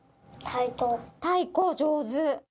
太鼓、上手。